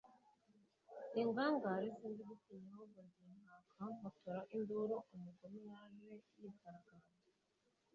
Ingangare sinzi gutinyaAhubwo ndi inkaka mpotora induru. Umugome yaje yigaragambya